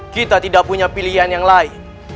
kita tidak punya pilihan yang lain